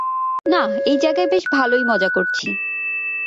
না, এই জায়গায় বেশ ভালোই মজা করছি।